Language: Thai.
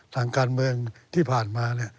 ทางการเมืองที่ผ่านมา